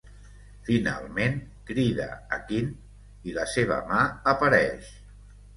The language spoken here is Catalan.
Finalment crida a Quint, i la seva mà apareix.